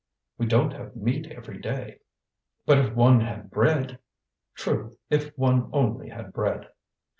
"We don't have meat every day." "But if one had bread!" "True, if one only had bread."